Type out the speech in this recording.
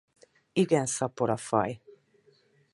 Igen szapora faj.